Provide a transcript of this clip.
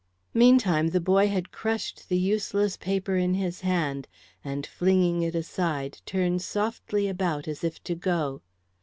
Meantime the boy had crushed the useless paper in his hand, and, flinging it aside, turned softly about as if to go.